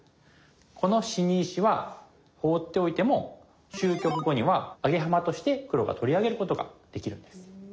この死に石は放っておいても終局後にはアゲハマとして黒が取り上げることができるんです。